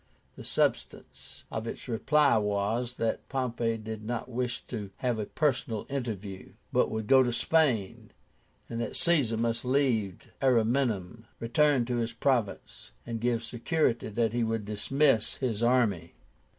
The substance of its reply was, that Pompey did not wish a personal interview, but would go to Spain, and that Caesar must leave Ariminum, return to his province, and give security that he would dismiss his army.